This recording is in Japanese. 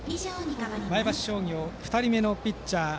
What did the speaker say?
前橋商業は２人目のピッチャー